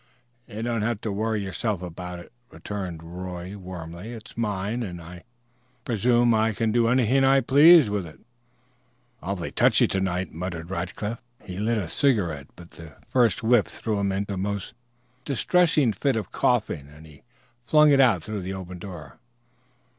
"You don't have to worry yourself about it," returned Roy warmly. "It's mine, and I presume I can do anything I please with it." "Awful touchy to night," muttered Rackliff. He lighted a cigarette, but the first whiff threw him into a most distressing fit of coughing and he flung it out through the open door.